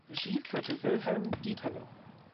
Regie führte Wilhelm Dieterle.